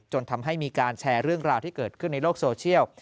ทำให้มีการแชร์เรื่องราวที่เกิดขึ้นในโลกโซเชียล